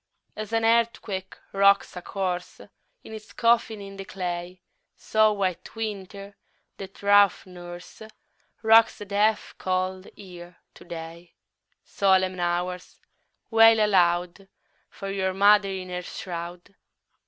2. As an earthquake rocks a corse In its coffin in the clay, So White Winter, that rough nurse, Rocks the death cold Year to day; _10 Solemn Hours! wail aloud For your mother in her shroud.